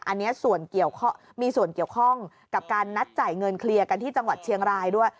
อันนี้มีส่วนเกี่ยวข้องกับการนัดจ่ายเงินเคลียร์กันที่จังหวัดเชียงรายด้วย